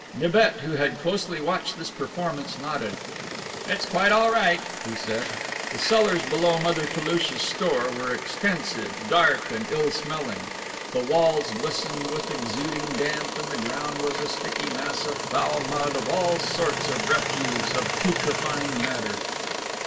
Nibet, who had closely watched this performance, nodded: "It's quite all right," he said. The cellars below Mother Toulouche's store were extensive, dark, and ill smelling. The walls glistened with exuding damp, and the ground was a sticky mass of foul mud, of all sorts of refuse, of putrefying matter.